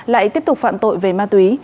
lại tiếp tục phạm tội về ma túy